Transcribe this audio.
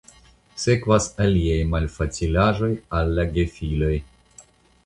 Sekvas aliaj malfacilaĵoj al la gefiloj.